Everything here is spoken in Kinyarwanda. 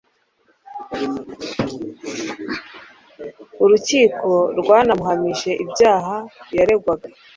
urukiko rwanamuhamije ibyaha yaregwaga.